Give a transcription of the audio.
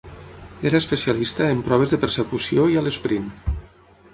Era especialista en proves de persecució i a l'esprint.